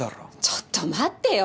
ちょっと待ってよ